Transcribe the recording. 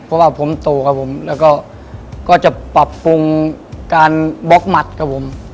เพราะว่าผมโตกับผมแล้วก็จะปรับปรุงการบล็อกหมัดกับผม